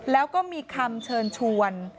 แล้วก็มีคำเชิญชวน